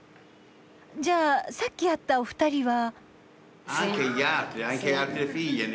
じゃあさっき会ったお二人は。